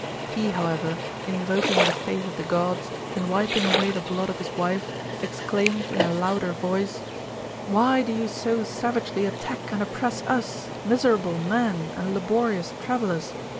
He, however, invoking the faith of the Gods, and wiping away the blood of his wife, exclaimed, in a louder voice, "Why do you so savagely attack and oppress us, miserable men, and laborious travellers